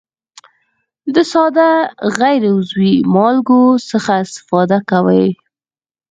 د ساده غیر عضوي مالګو څخه استفاده کوي.